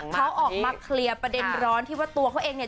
เขาออกมาเคลียร์ประเด็นร้อนที่ว่าตัวเขาเองเนี่ย